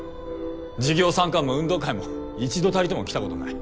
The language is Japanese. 授業参観も運動会も一度たりとも来たことない。